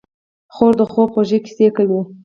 خور د خوب خوږې کیسې کوي.